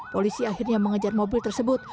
polisi akhirnya mengejar mobil tersebut